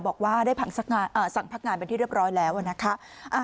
บอกว่าได้สั่งพักงานเป็นที่เรียบร้อยแล้วนะคะ